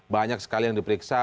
banyak sekali yang diperiksa